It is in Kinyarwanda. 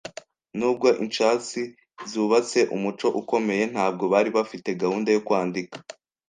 Nubwo Incasi zubatse umuco ukomeye, ntabwo bari bafite gahunda yo kwandika